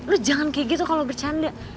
lo jangan kayak gitu kalo bercanda